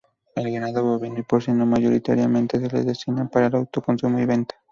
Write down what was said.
El Ganado ovino y porcino mayoritariamente se lo destina para el Autoconsumo y venta.